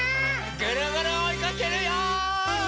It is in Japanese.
ぐるぐるおいかけるよ！